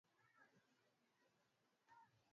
Husani kwa wachezaji ambao ni walemavu